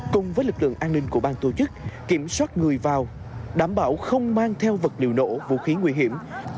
cùng với lực lượng an ninh của bang tổ chức kiểm soát người vào đảm bảo không mang theo vật liệu nổ vũ khí nguy hiểm